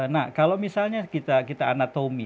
nah kalau misalnya kita anatomi